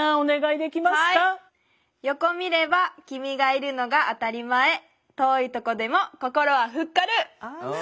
「横見ればきみがいるのが当たりまえ遠いとこでも心はフッ軽」。